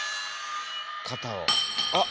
型をあっ！